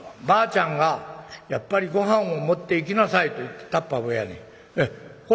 ばあちゃんが『やっぱりごはんも持っていきなさい』と言ってタッパーウェアに。